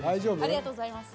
ありがとうございます。